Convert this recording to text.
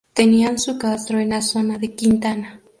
Tenían su castro en la zona de Quintana.